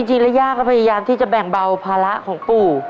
จริงแล้วย่าก็พยายามที่จะแบ่งเบาภาระของปู่